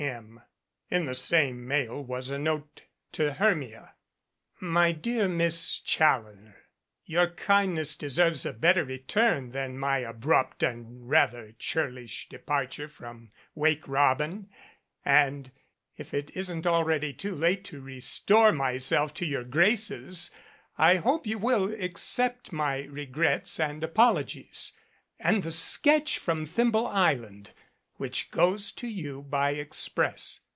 M. In the same mail was a note to Hermia : MY DEAR Miss CHALLONER: Your kindness deserves a better return than my abrupt and rather churlish departure from "Wake Robin," and, if it isn't already too late to restore myself to your graces, I hope you will accept my regrets and apologies, and the sketch from Thimble Island, which goes to you by express.